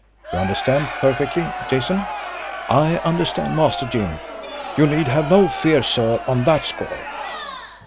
You understand perfectly, Jason?" "I understand, Master Jim. You need have no fear, sir, on that score."